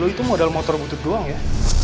lo itu modal motor butut doang ya